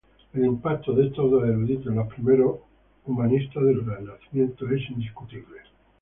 El impacto de estos dos eruditos en los primeros humanistas del Renacimiento es indiscutible.